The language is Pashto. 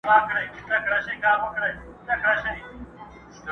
د هر قوم له داستانو څخه خبر وو،